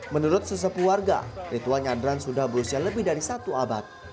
menurut sesepu warga ritual nyadran sudah berusia lebih dari satu abad